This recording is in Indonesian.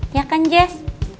iya kan jess